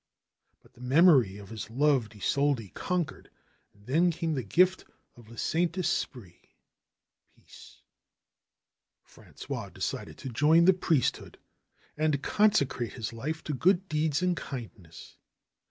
But the memory of his loved Isolde conquered. And then came the gift of le Saint Esprit — ^peace. Prangois decided to join the priesthood and consecrate his life to good deeds and kindness.